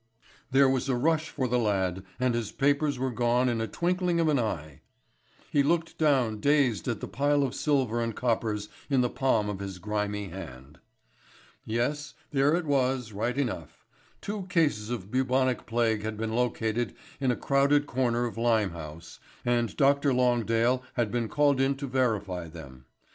There was a rush for the lad and his papers were gone in a twinkling of an eye. He looked down dazed at the pile of silver and coppers in the palm of his grimy hand. Yes, there it was right enough. Two cases of bubonic plague had been located in a crowded corner of Limehouse, and Dr. Longdale had been called in to verify them.